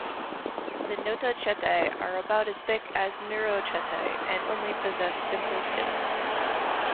The notochaetae are about as thick as neurochaetae and only possess simple tips.